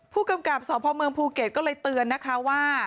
ผู้กำกับสพเมืองภูเก็ตก็เลยเตือนนะคะว่า